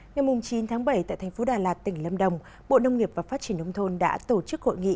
ngày chín tháng bảy tại thành phố đà lạt tỉnh lâm đồng bộ nông nghiệp và phát triển nông thôn đã tổ chức hội nghị